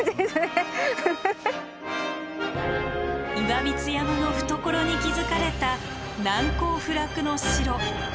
岩櫃山の懐に築かれた難攻不落の城。